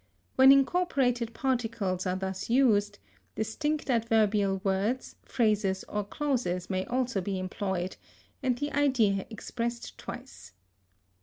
When incorporated particles are thus used, distinct adverbial words, phrases, or clauses may also be employed, and the idea expressed twice.